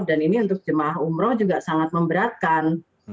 dan ini untuk jemaah umroh juga sangat memberatkan